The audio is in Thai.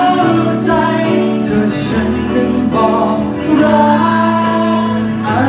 รู้หรือเปล่า